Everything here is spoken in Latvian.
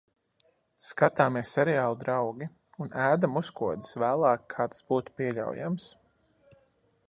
Skatāmies seriālu "Draugi" un ēdam uzkodas vēlāk kā tas būtu pieļaujams.